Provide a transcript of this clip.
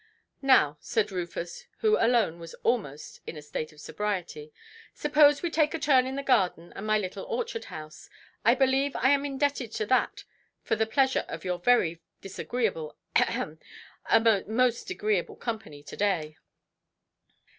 "Now", said Rufus, who alone was almost in a state of sobriety, "suppose we take a turn in the garden and my little orchard–house? I believe I am indebted to that for the pleasure of your very disagreeable—ahem, most agreeable company to–day".